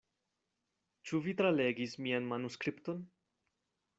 Ĉu vi tralegis mian manuskripton?